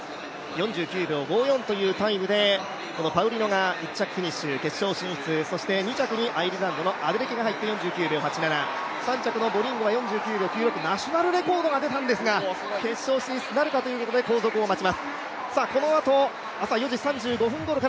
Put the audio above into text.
４９秒５４というタイムでパウリノが１着フィニッシュ、決勝進出、そして２着にアイルランドのアデレケが入って４９秒８７、３着は４９秒９６、ナショナルレコードが出たんですが決勝進出はどうかというところでチキンラーメン。